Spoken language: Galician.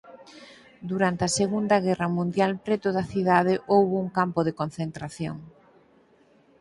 Durante a Segunda Guerra Mundial preto da cidade houbo un campo de concentración.